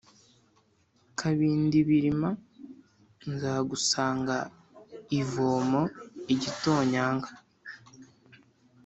Kabindibirima nzagusanga ivomo-Igitonyanga.